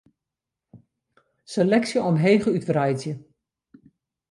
Seleksje omheech útwreidzje.